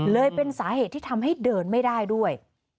เลยเป็นสาเหตุที่ทำให้เดินไม่ได้ด้วย